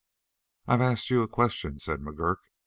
"I've asked you a question," said McGurk.